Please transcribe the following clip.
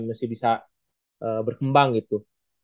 masih bisa berkembang gitu